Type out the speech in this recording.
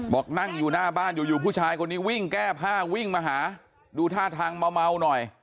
บอกนั่งอยู่หน้าบ้านอยู่อยู่ผู้ชายคนนี้วิ่งแก้ผ้าวิ่งมาหาดูท่าทางเมาหน่อย